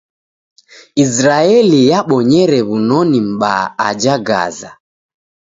Isiraeli yabonyere w'unoni m'baa aja Gaza.